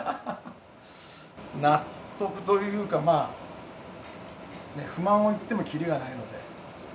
納得というか、まあ、不満を言ってもきりがないので。